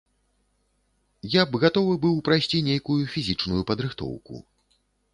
Я б гатовы быў прайсці нейкую фізічную падрыхтоўку.